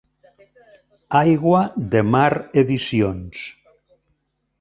Aigua de Mar Edicions.